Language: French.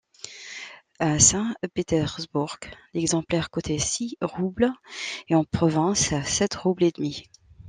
À Saint-Pétersbourg l'exemplaire coûtait six roubles et en province sept roubles et demi.